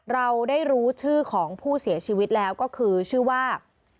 เราได้รู้ชื่อของผู้เสียชีวิตแล้วก็คือชื่อว่า